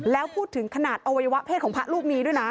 แล้วพูดถึงขนาดอวัยวะเพศของพระรูปนี้ด้วยนะ